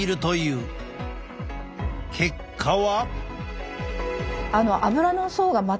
結果は？